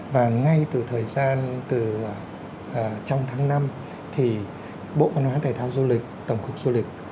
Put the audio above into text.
và ngay từ thời gian trong tháng năm thì bộ phân hóa thế giáo du lịch tổng cục du lịch